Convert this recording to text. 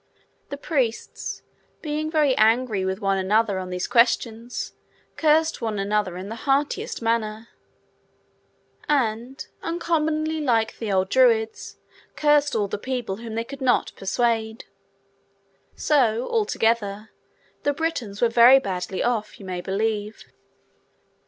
The priests, being very angry with one another on these questions, cursed one another in the heartiest manner; and (uncommonly like the old Druids) cursed all the people whom they could not persuade. So, altogether, the Britons were very badly off, you may believe.